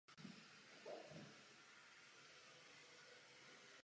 Do Baníku přišel z Karviné.